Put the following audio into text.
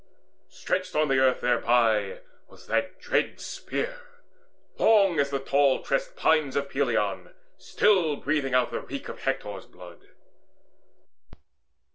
Stretched on the earth thereby was that dread spear, Long as the tall tressed pines of Pelion, Still breathing out the reek of Hector's blood.